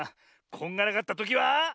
こんがらがったときは。